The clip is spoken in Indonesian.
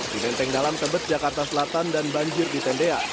di menteng dalam tebet jakarta selatan dan banjir di tendea